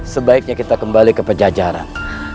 sebaiknya kita kembali ke pejajaran